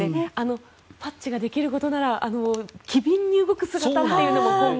パッチができることなら機敏に動く姿も今後。